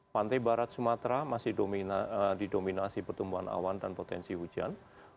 pantai barat sumatera masih didominasi pertumbuhan awan dan potensi hujan